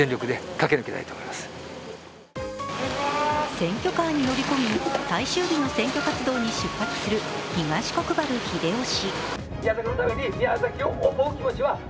選挙カーに乗り込み最終日の選挙活動に出発する東国原英夫氏。